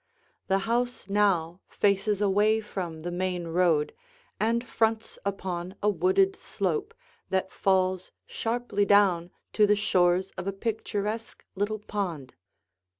The house now faces away from the main road and fronts upon a wooded slope that falls sharply down to the shores of a picturesque little pond.